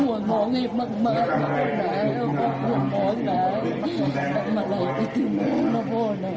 อุ้ยฟันก็กลีบมากนะว่าต้องก่อนไปว่าต้องมาลงไปถึงน้องต่อนั้น